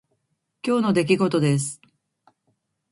今日の出来事です。